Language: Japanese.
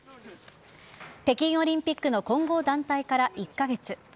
北京オリンピックの混合団体から１カ月。